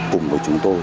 cùng với chúng tôi